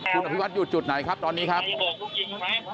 เหลือเพียงกลุ่มเจ้าหน้าที่ตอนนี้ได้ทำการแตกกลุ่มออกมาแล้วนะครับ